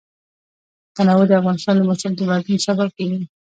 تنوع د افغانستان د موسم د بدلون سبب کېږي.